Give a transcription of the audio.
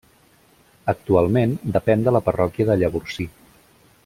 Actualment depèn de la parròquia de Llavorsí.